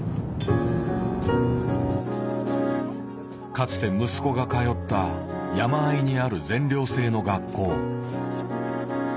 かつて息子が通った山あいにある全寮制の学校。